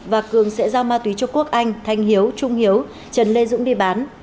và cường sẽ giao ma túy cho quốc anh thanh hiếu trung hiếu trần lê dũng đi bán